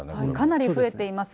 かなり増えています。